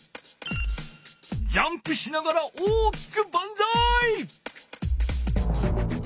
ジャンプしながら大きくバンザイ！